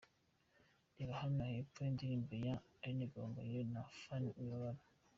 Reba hano hepfo indirimbo ya Aline Gahongyire na Phanny Wibabara.